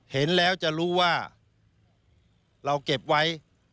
เห็นแล้วจะรู้ว่าเราเก็บไว้